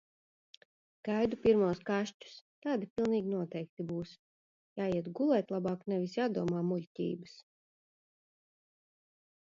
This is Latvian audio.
Gaidu pirmos kašķus, tādi pilnīgi noteikti būs. Jāiet gulēt labāk, nevis jādomā muļķības.